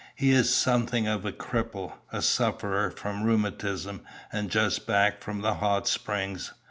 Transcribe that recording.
He is something of a cripple, a sufferer from rheumatism, and just back from the hot springs.